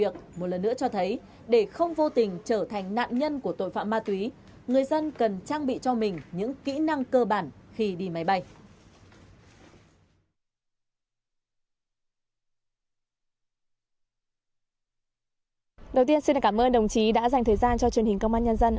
đầu tiên xin cảm ơn đồng chí đã dành thời gian cho truyền hình công an nhân dân